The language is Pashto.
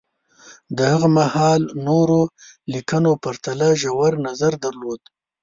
د هغه مهال نورو لیکنو پرتله ژور نظر درلود